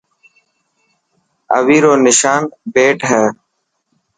اوي رو نشان بيٽ هي.